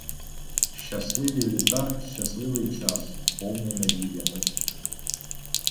Щасливі літа, щасливий час, повний надіями!